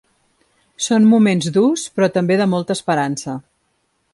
Són moments durs però també de molta esperança.